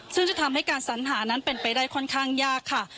ซึ่งจะทำให้การสัญหานั้นเป็นไปได้ค่อนข้างยากค่ะ